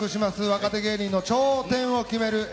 若手芸人の頂点を決める